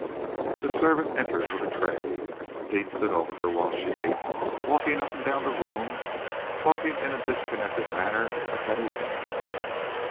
The servant entered with a tray. Deane stood over her while she ate, walking up and down the room, talking in a disconnected manner of many things.